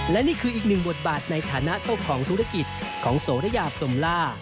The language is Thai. และนี่คืออีกหนึ่งบทบาทในฐานะเจ้าของธุรกิจของโสระยาพรมล่า